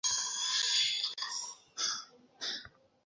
গোপন সংবাদের ভিত্তিতে তাঁকে তল্লাশি করে এসব সোনা জব্দ করা হয়।